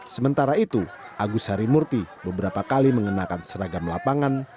sementara itu agus harimurti beberapa kali mengenakan seragam lapangan